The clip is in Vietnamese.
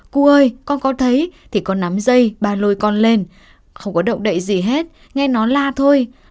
cô ơi con có thấy thì có nắm dây ba lôi con lên không có động đậy gì hết nghe nó la thôi